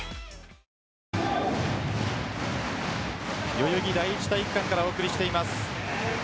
代々木第一体育館からお送りしています。